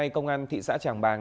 công an thị xã trảng bàng